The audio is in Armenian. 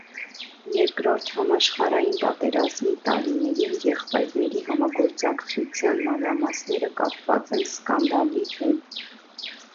Երկրորդ համաշխարհային պատերազմի տարիներին եղբայրների համագործակցության մանրամասները կապված են սկանդալի հետ։